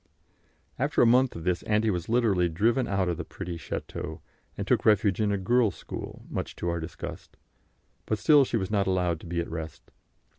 After a month of this Auntie was literally driven out of the pretty château, and took refuge in a girls' school, much to our disgust; but still she was not allowed to be at rest.